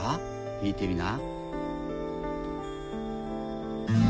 見てみな。